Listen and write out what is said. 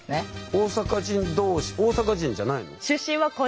大阪人同士大阪人じゃないの？